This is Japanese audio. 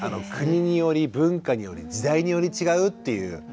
国により文化により時代により違うっていう。